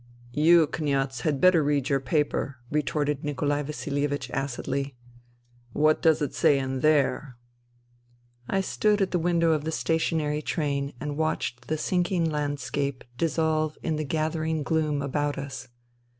"" You, Kniaz, had better read your paper," retorted Nikolai Vasilievich acidly. " What does it say in there ?" I stood at the window of the stationary train and watched the sinking landscape dissolve in the gathering gloom about us.